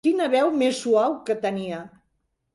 Quina veu més suau que tenia!